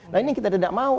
nah ini kita tidak mau